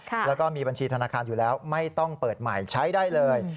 แล้วก็มีบัญชีธนาคารอยู่แล้วไม่ต้องเปิดใหม่ใช้ได้เลย